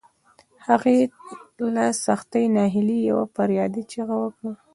هغې له سختې ناهيلۍ يوه فریادي چیغه وکړه.